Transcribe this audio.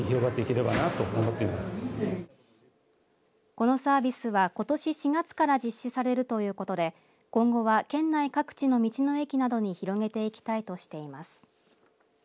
このサービスは、ことし４月から実施されるということで今後は県内各地の道の駅などに広げていきたいとしています。